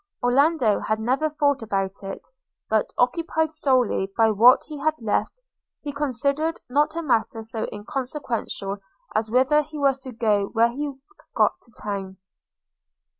Orlando had never thought about it; but, occupied solely by what he had left, he considered not a matter so inconsequential as whither he was to go when he got to town.